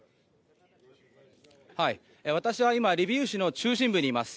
私は今リビウ市の中心部にいます。